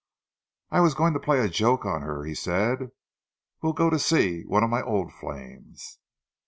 "I was going to play a joke on her," he said. "We'll go to see one of my old flames."